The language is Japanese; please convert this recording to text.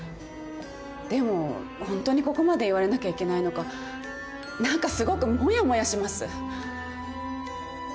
でもホントにここまで言われなきゃいけないのか何かすごくモヤモヤします。